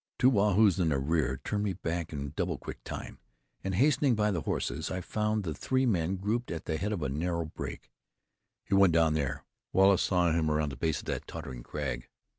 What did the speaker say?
Two "Waa hoos" in the rear turned me back in double quick time, and hastening by the horses, I found the three men grouped at the head of a narrow break. "He went down here. Wallace saw him round the base of that tottering crag."